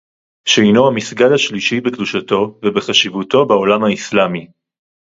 שהינו המסגד השלישי בקדושתו ובחשיבותו בעולם האסלאמי